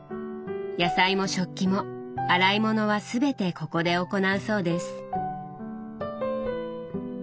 野菜も食器も洗い物はすべてここで行うそうです。